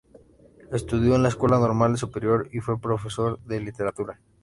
Estudió en la escuela normal superior y fue profesor de literatura.